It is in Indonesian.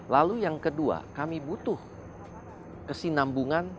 lalu yang kedua kami butuh kesinambungan